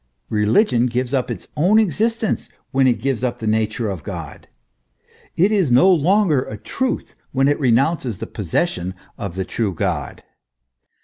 Religion gives up its own existence when it gives up the nature of God; THE ESSENCE OF RELIGION. 17 it is no longer a truth, when it renounces the possession of the true God.